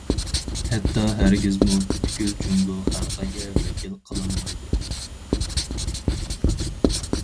ھەتتا ھەرگىزمۇ پۈتكۈل جۇڭگو خەلقىگە ۋەكىل قىلالمايدۇ.